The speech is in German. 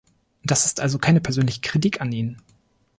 Das ist also keine persönliche Kritik an Ihnen.